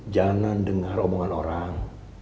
jangan dengar omongan orang